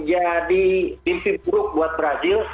mimpi buruk buat brazil